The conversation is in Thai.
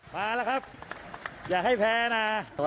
มาแล้วครับอย่าให้แพ้นะ